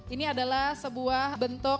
ini adalah sebuah bentuk